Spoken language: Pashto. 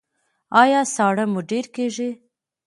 ایا ساړه مو ډیر کیږي؟